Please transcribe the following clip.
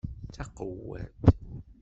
Taqewwadt!